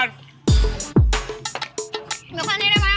เดี๋ยวข้างนี้ได้ไหม